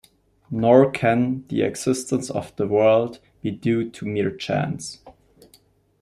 Nor can the existence of the world be due to mere chance.